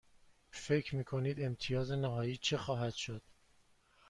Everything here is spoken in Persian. فکر می کنید امتیاز نهایی چه خواهد شد؟